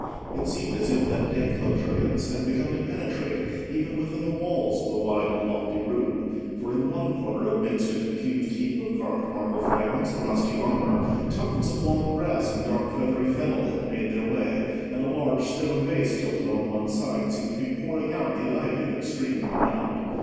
It seemed as if that dank luxuriance had begun to penetrate even within the walls of the wide and lofty room; for in one corner, amidst a confused heap of carved marble fragments and rusty armour, tufts of long grass and dark feathery fennel had made their way, and a large stone vase, tilted on one side, seemed to be pouring out the ivy that streamed around.